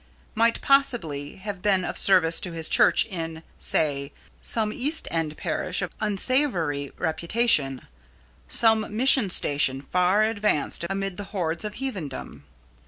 might possibly have been of service to his Church in, say, some East end parish of unsavoury reputation, some mission station far advanced amid the hordes of heathendom.